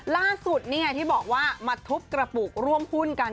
ล่าสุดนี่ไงที่บอกว่ามาทุบกระปุกร่วมหุ้นกัน